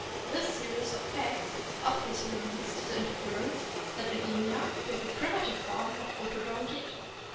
This series of facts obviously leads to the inference that in Inia we have a primitive form of Odontocete.